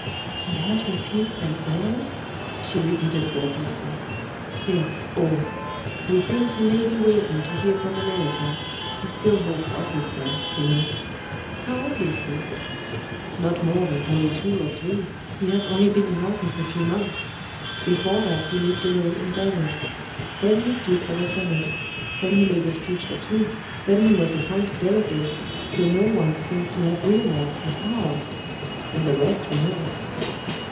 "He has refused them all!" she repeated breathlessly. "Yes, all. We think He may be waiting to hear from America. He still holds office there, you know." "How old is He?" "Not more than thirty two or three. He has only been in office a few months. Before that He lived alone in Vermont. Then He stood for the Senate; then He made a speech or two; then He was appointed delegate, though no one seems to have realised His power. And the rest we know."